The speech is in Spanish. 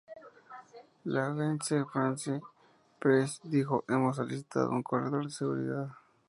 La Agence France-Presse dijo "hemos solicitado un corredor de seguridad.